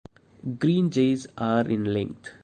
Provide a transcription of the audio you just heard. Green jays are in length.